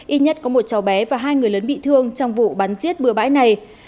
ít nhất có một cháu bé và hai người lớn bị thương trong vụ bắn giết bừa bãi này